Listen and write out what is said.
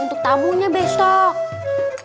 untuk tabunya besok